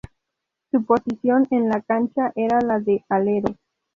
Su posición en la cancha era la de alero.